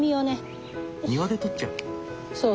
庭で取っちゃう？